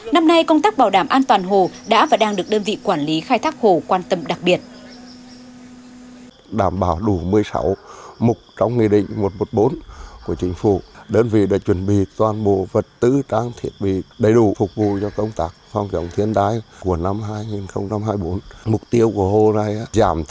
năm nay công tác bảo đảm an toàn hồ đã và đang được đơn vị quản lý khai thác hồ quan tâm đặc biệt